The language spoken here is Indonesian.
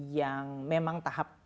yang memang tahap